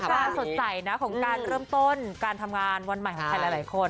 ก็สดใสนะของการเริ่มต้นการทำงานวันใหม่ของใครหลายคน